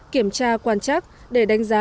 kiểm tra quan chắc để đánh giá